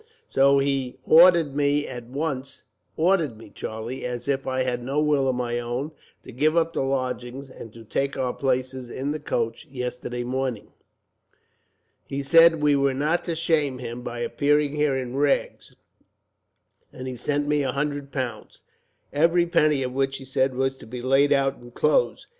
So he ordered me at once ordered me Charlie, as if I had no will of my own to give up the lodgings, and to take our places in the coach, yesterday morning. He said we were not to shame him by appearing here in rags, and he sent me a hundred pounds, every penny of which, he said, was to be laid out in clothes.